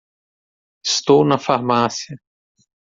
Estou na farmácia.